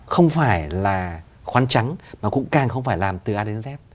không phải là khoán trắng mà cũng càng không phải làm từ a đến z